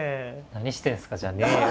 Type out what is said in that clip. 「何してんすか」じゃねえよ。